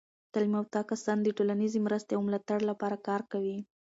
تعلیم یافته کسان د ټولنیزې مرستې او ملاتړ لپاره کار کوي.